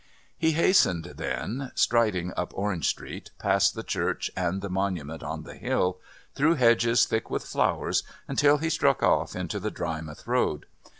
He hastened then, striding up Orange Street, past the church and the monument on the hill, through hedges thick with flowers, until he struck off into the Drymouth Road.